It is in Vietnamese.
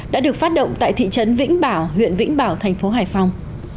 đã được phát động tại thị trấn vĩnh bảo huyện vĩnh bảo thành phố hải phòng